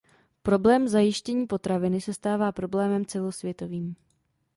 Problém zajištění potraviny se stává problémem celosvětovým.